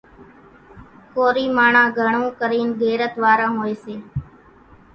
ڪورِي ماڻۿان گھڻو ڪرينَ غيرت واران هوئيَ سي۔